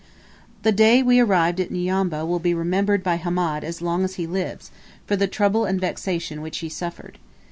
The day we arrived at Nyambwa will be remembered by Hamed as long as he lives, for the trouble and vexation which he suffered.